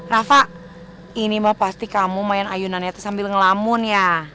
rafa ini mbak pasti kamu main ayunannya itu sambil ngelamun ya